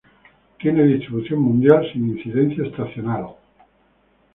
Tiene distribución mundial sin incidencia estacional.